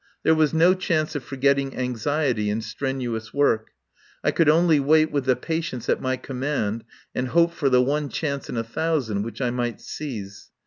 There was no chance of forgetting anxiety in strenuous work. I could only wait with the patience at my command, and hope for the one chance in a thousand which I might seize.